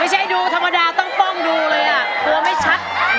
ไม่ใช่ดูธรรมดาต้องป้องดูเลยพอไม่ชัด